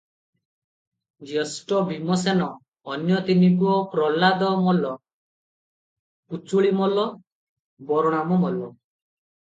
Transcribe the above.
ଜ୍ୟେଷ୍ଠ ଭୀମସେନ, ଅନ୍ୟ ତିନି ପୁଅ ପହ୍ଲାଦ ମଲ୍ଲ, କୁଚୁଳି ମଲ୍ଲ, ବଳରାମ ମଲ୍ଲ ।